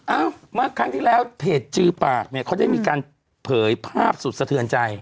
เมื่อครั้งที่แล้วเพจจือปากเนี่ยเขาได้มีการเผยภาพสุดสะเทือนใจ